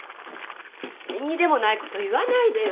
縁起でもないこと言わないでよ。